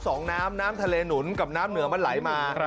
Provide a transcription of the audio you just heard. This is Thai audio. สองน้ำน้ำทะเลหนุนกับน้ำเหนือมันไหลมา